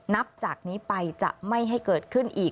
นับจากนี้ไปจะไม่ให้เกิดขึ้นอีก